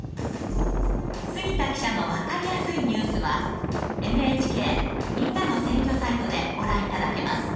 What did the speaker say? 「杉田記者のわかりやすいニュース」はＮＨＫ「みんなの選挙」サイトでご覧頂けます。